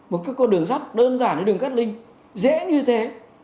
một cái con đường sắt đơn giản như đường cắt linh dễ như thế